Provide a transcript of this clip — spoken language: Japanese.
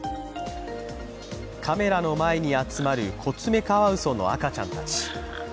カメラの前に集まるコツメカワウソの赤ちゃんたち。